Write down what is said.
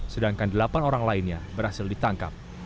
sedangkan delapan orang lainnya berhasil ditangkap